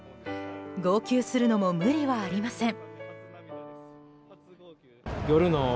号泣するのも無理はありません。